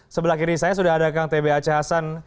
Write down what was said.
sebelah kiri saya sudah ada kang tb aceh hasan